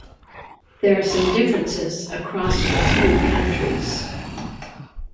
There are some differences across the three countries.